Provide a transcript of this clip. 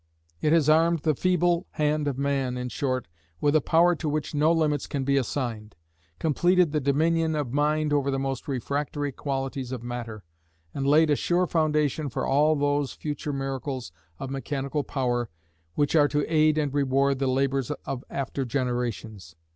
It has armed the feeble hand of man, in short, with a power to which no limits can be assigned; completed the dominion of mind over the most refractory qualities of matter; and laid a sure foundation for all those future miracles of mechanical power which are to aid and reward the labors of after generations.